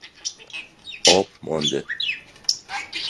آب مانده